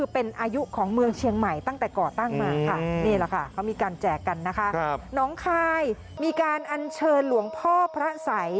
โปรดิสถานทางซ้ายหน้าทั้งกันนะคะน้องคายมีการอัญเชิญหลวงพ่อพระสัย